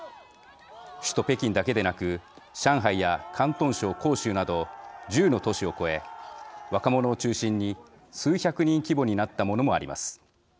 首都・北京だけでなく上海や広東省広州など１０の都市を超え若者を中心に数百人規模になったものもあります。